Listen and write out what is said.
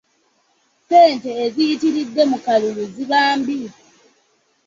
Ssente eziyitiridde mu kalulu ziba mbi.